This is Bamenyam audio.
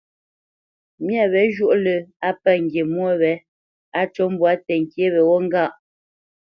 Myâ wě zhwôʼ lə́ á pə̂ ŋgi mwô wě, á cû mbwǎ tənkyé wéghó ŋgâʼ.